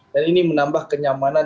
dan ini menambah kenyamanan